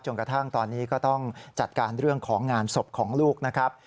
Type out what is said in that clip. กระทั่งตอนนี้ก็ต้องจัดการเรื่องของงานศพของลูกนะครับ